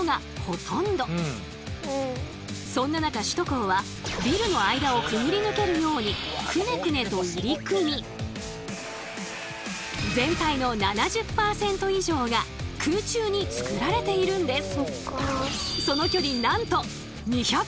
そんな中首都高はビルの間をくぐり抜けるようにクネクネと入り組み全体の７０％以上が空中に造られているんです。